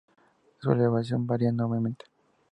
Su elevación varía enormemente.